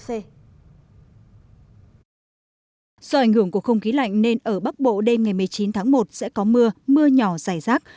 do ảnh hưởng của không khí lạnh nên ở bắc bộ đêm ngày một mươi chín tháng một sẽ có mưa mưa nhỏ dài rác